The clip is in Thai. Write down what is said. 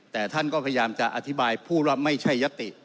แต่ท่านก็พยายามจะอธิบายพูดว่าไม่ใช่ยติ